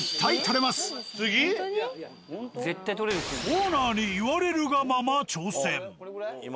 オーナーに言われるがままこれぐらい？